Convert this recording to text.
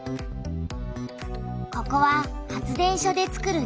ここは発電所でつくる